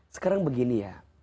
sekarang begini ya